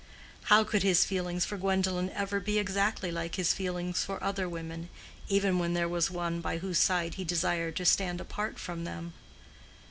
How could his feelings for Gwendolen ever be exactly like his feelings for other women, even when there was one by whose side he desired to stand apart from them?